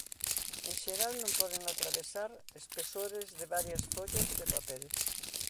En xeral non poden atravesar espesores de varias follas de papel.